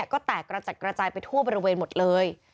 ก็แตกกระจัดกระจายไปทั่วบริเวณหมดเลย